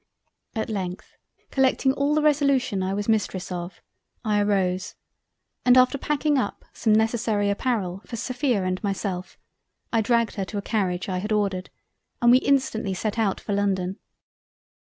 At length collecting all the Resolution I was Mistress of, I arose and after packing up some necessary apparel for Sophia and myself, I dragged her to a Carriage I had ordered and we instantly set out for London.